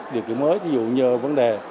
điều kiện mới ví dụ như vấn đề